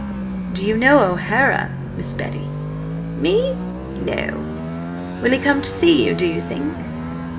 Do you know O'Hara, Miss Betty?" "Me? No! Will he come to see you, do you think?"